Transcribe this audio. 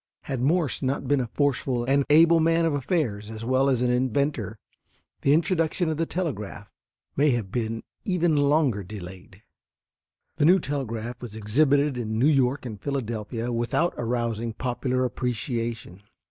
Had Morse not been a forceful and able man of affairs as well as an inventor, the introduction of the telegraph might have been even longer delayed. The new telegraph was exhibited in New York and Philadelphia without arousing popular appreciation.